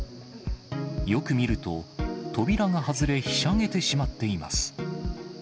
よく見ると、扉が外れ、ひしゃげてしまっています。